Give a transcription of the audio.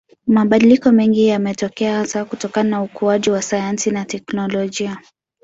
Mabadiliko mengi yametokea hasa kutokana na ukuaji wa sayansi na technolojia